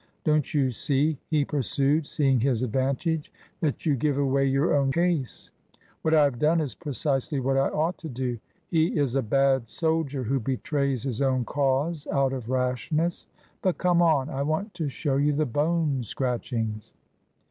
" Don't you see," he pursued, seeing his advantage, " that you give away your own case ? What I have done is precisely what I ought to do. He is a bad soldier who betrays his own cause out of rashness. But come on ! I want to show you the bone scratch ings."